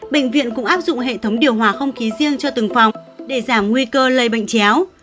bệnh viện cũng áp dụng hệ thống điều hòa không khí riêng cho từng phòng để giảm nguy cơ lây bệnh chéo